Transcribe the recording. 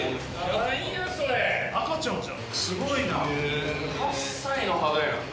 すごいな。